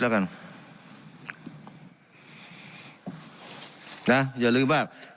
การปรับปรุงทางพื้นฐานสนามบิน